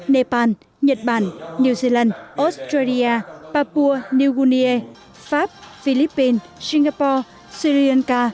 nepal nhật bản new zealand australia papua new gunier pháp philippines singapore sri lanka